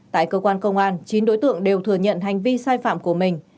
tại cơ quan công an chín đối tượng đều thừa nhận hành vi sai phạm của mình